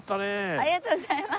ありがとうございます。